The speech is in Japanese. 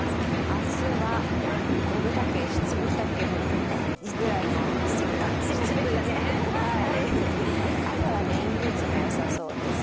明日は五分丈、七分丈ぐらいの、朝はレインブーツがよさそうです。